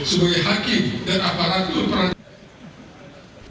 sebagai hakim dan aparatur peradilan